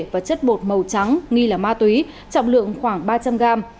và chất bột màu trắng nghi là ma túy trọng lượng khoảng ba trăm linh gram